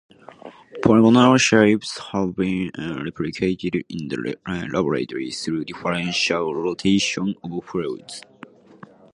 Polygonal shapes have been replicated in the laboratory through differential rotation of fluids.